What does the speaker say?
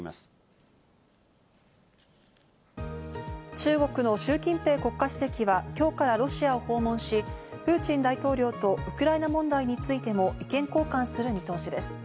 中国のシュウ・キンペイ国家主席は今日からロシアを訪問し、プーチン大統領とウクライナ問題についても意見交換する見通しです。